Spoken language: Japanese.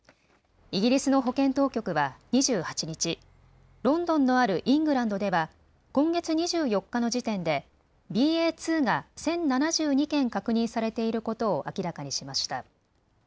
イギリスの保健当局は２８日、ロンドンのあるイングランドでは今月２４日の時点でＢＡ．２が１０７２件確認されていることを明らかにしました。